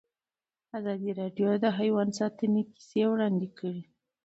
ازادي راډیو د حیوان ساتنه کیسې وړاندې کړي.